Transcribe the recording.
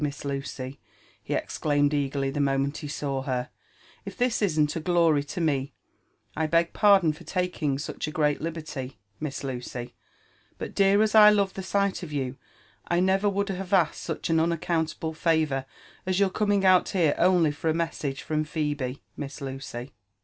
Miss Lucy !" he exclaimed eagerly the monseat he saw her ;" if tUs isn't a gfory to me 1— I beg pardon for taking such a great lUierty, Miss Lucy, but dear as I love the sight of you, I never would have asked such an unaccountable favour as your coMiog eut here only fsi a message fro«i Pb^, Miss Lucy